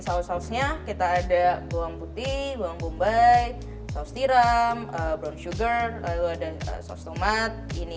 saus sausnya kita ada bawang putih bawang bombay saus tiram brown sugar lalu ada saus tomat ini